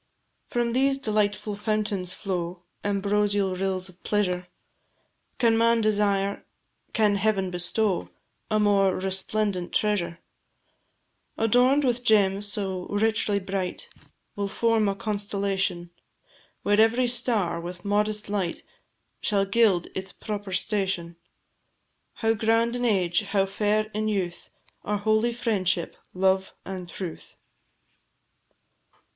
From these delightful fountains flow Ambrosial rills of pleasure; Can man desire, can Heaven bestow, A more resplendent treasure? Adorn'd with gems so richly bright, Will form a constellation, Where every star, with modest light, Shall gild its proper station. How grand in age, how fair in youth, Are holy "Friendship, Love, and Truth!"